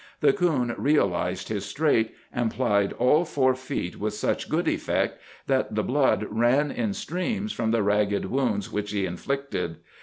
The coon realized his strait, and plied all four feet with such good effect that the blood ran in streams from the ragged wounds which he inflicted.